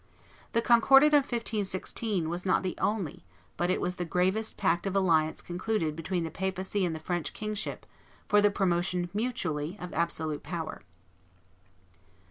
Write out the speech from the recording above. The Concordat of 1516 was not the only, but it was the gravest pact of alliance concluded between the papacy and the French kingship for the promotion mutually of absolute power.